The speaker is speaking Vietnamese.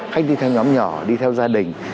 khách đi theo nhóm nhỏ đi theo gia đình